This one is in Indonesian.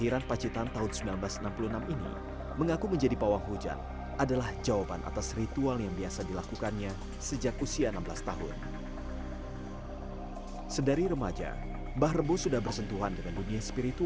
sampai jumpa di video selanjutnya